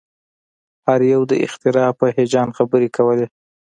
هر یو د اختراع په هیجان خبرې کولې